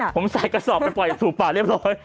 ผมใส่กระสอบไปปล่อยสู่ป่าเรียบร้อย